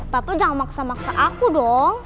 tapi jangan maksa maksa aku dong